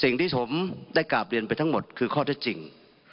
อยากจะกราบเรียนไปทั้งหมดคือข้อที่จริง